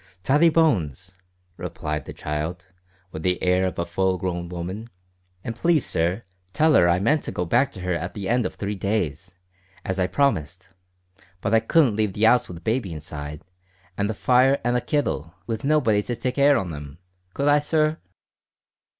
"Tottie Bones," replied the child, with the air of a full grown woman. "An' please, sir, tell 'er I meant to go back to her at the end of three days, as I promised; but I couldn't leave the 'ouse with baby inside, an' the fire, an' the kittle, with nobody to take care on 'em could I, sir?"